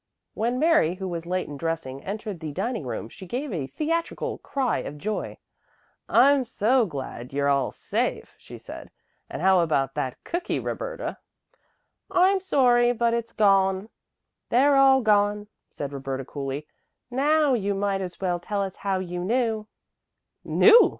When Mary, who was late in dressing, entered the dining room, she gave a theatrical cry of joy. "I'm so glad you're all safe," she said. "And how about that cookie, Roberta?" "I'm sorry, but it's gone. They're all gone," said Roberta coolly. "Now you might as well tell us how you knew." "Knew!"